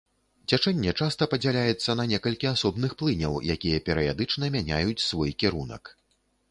Цячэнне часта падзяляецца на некалькі асобных плыняў, якія перыядычна мяняюць свой кірунак.